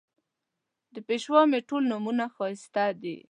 د پېشوا مې ټول نومونه ښایسته دي